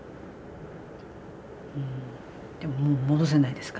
うんでももう戻せないですからね。